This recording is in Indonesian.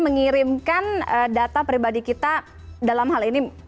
mengirimkan data pribadi kita dalam hal ini